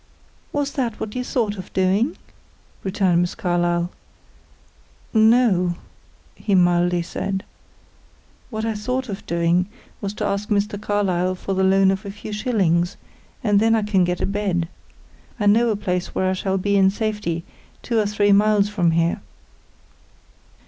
"Was that what you thought of doing?" returned Miss Carlyle. "No," he mildly said. "What I thought of doing was to ask Mr. Carlyle for the loan of a few shillings, and then I can get a bed. I know a place where I shall be in safety, two or three miles from here."